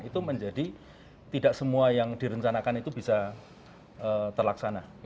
itu menjadi tidak semua yang direncanakan itu bisa terlaksana